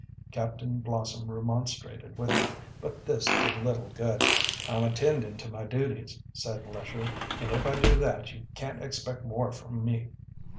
Captain Blossom remonstrated with him, but this did little good. "I'm attending to my duties," said Lesher. "And if I do that you can't expect more from me."